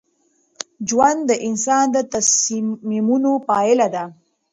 ژوند د انسان د تصمیمونو پایله ده.